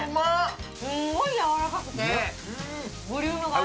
すごいやわらかくて、ボリュームがあって。